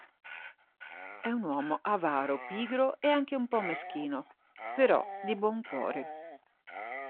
È un uomo avaro, pigro e anche un po' meschino, però di buon cuore.